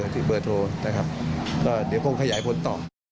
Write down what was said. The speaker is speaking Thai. ที่เปอร์โทรเดี๋ยวคงขยายพ้นต่อ